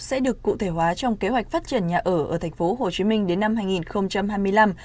sẽ được cụ thể hóa trong kế hoạch phát triển nhà ở ở tp hcm đến năm hai nghìn hai mươi năm